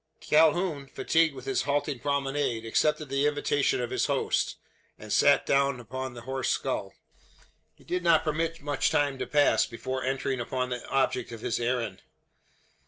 Calhoun, fatigued with his halting promenade, accepted the invitation of his host, and sate down upon the horse skull. He did not permit much time to pass, before entering upon the object of his errand.